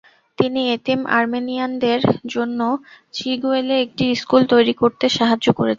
তিনি এতিম আর্মেনিয়ানদের জন্য চিগওয়েলে একটি স্কুল তৈরি করতে সাহায্য করেছিলেন।